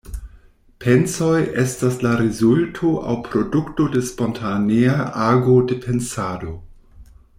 Pensoj estas la rezulto aŭ produkto de spontanea ago de pensado.